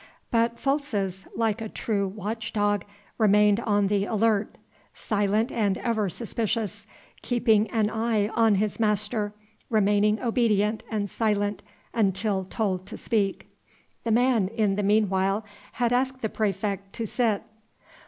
But Folces, like a true watch dog, remained on the alert, silent and ever suspicious, keeping an eye on his master, remaining obedient and silent until told to speak. The man, in the meanwhile, had asked the praefect to sit.